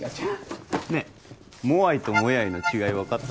ねえモアイとモヤイの違い分かった？